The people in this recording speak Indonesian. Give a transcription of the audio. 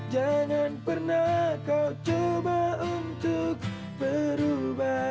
jangan pernah kau coba untuk berubah